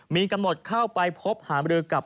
มีกำหนดเข้าไปพบหารบริเวณกับ